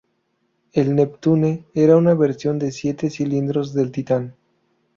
El Neptune era una versión de siete cilindros del Titan.